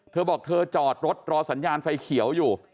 เธอบอกเธอจอดรถรอสัญญาณไฟเขียวอยู่